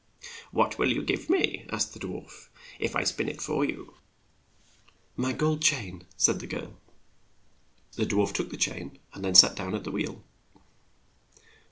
'What will you give me," asked the dwarf, "if I spin it for you?'' 116 RUMPELSTILTSKIN "My gold chain," said the girl. The dwarf took the chain, and then sat down at the wheel.